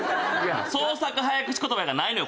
創作早口言葉やからないのよ